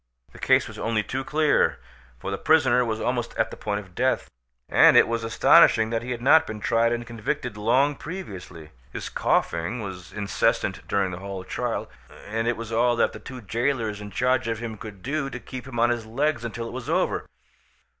The case was only too clear, for the prisoner was almost at the point of death, and it was astonishing that he had not been tried and convicted long previously. His coughing was incessant during the whole trial, and it was all that the two jailors in charge of him could do to keep him on his legs until it was over.